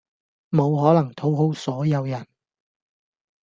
無可能討好所有人